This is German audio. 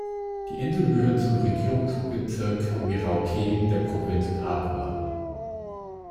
Die Insel gehört zum Regierungsbezirk Merauke der Provinz Papua.